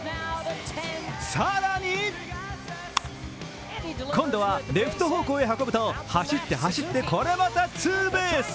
更に今度はレフと方向へ運ぶと走って走ってこれまたツーベース。